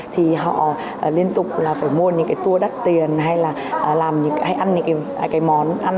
thì họ liên tục là phải mua những cái tour đắt tiền hay là làm những cái hay ăn những cái món